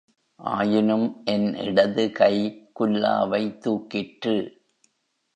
ஆயினும் என் இடதுகை குல்லாவைத் தூக்கிற்று.